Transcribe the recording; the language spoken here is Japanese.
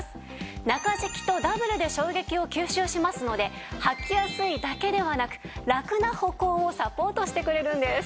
中敷きとダブルで衝撃を吸収しますので履きやすいだけではなくラクな歩行をサポートしてくれるんです。